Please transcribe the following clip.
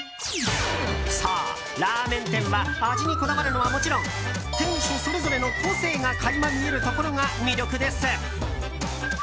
そう、ラーメン店は味にこだわるのはもちろん店主それぞれの個性が垣間見えるところが魅力です。